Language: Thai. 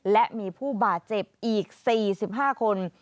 และมีผู้บาดเจ็บอีก๔๕คน